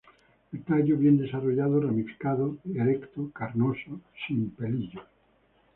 El tallo bien desarrollado, ramificado, erecto, carnoso, sin pelillos.